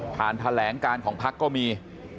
ผ่านแถลงการของภักดิ์ก็มี